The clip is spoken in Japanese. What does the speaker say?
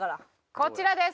こちらです。